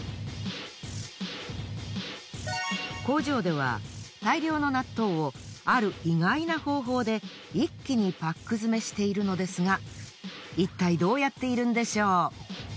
工場では大量の納豆をある意外な方法で一気にパック詰めしているのですがいったいどうやっているんでしょう？